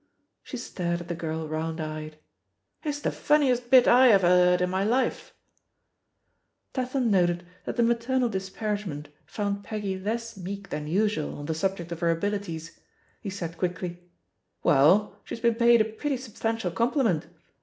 She stared at the girl round eyed. "It's the funniest bit I ever heard in my life 1" Tatham noted that the maternal disparage* ment found Peggy less meek than usual on the subject of her abilities. He said quickly: "Well, she's been paid a pretty substantial compliment.